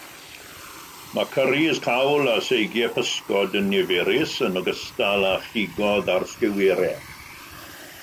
Mae cyrris, cawl a seigiau pysgod yn niferus, yn ogystal â chigoedd ar sgiwerau.